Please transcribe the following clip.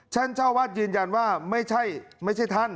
เจ้าวาดยืนยันว่าไม่ใช่ท่าน